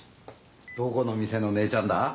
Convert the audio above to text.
どこの店のねえちゃんだ？